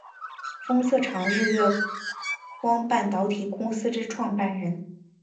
封测厂日月光半导体公司之创办人。